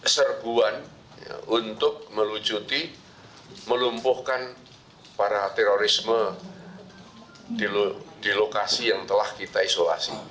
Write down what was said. serbuan untuk melucuti melumpuhkan para terorisme di lokasi yang telah kita isolasi